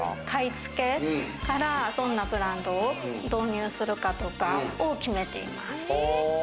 買い付けから、どんなブランドを導入するかとかを決めています。